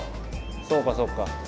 そうかそうか。